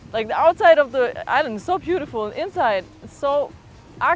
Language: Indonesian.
di luar daerah sangat indah